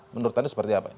menurut anda seperti apa